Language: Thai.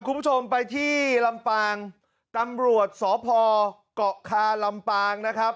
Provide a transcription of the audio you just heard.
คุณผู้ชมไปที่ลำปางตำรวจสพเกาะคาลำปางนะครับ